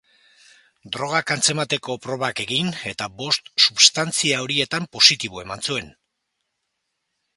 Drogak antzemteko probak egin eta bost substantzia horietan positibo eman zuen.